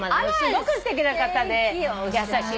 すごくすてきな方で優しい。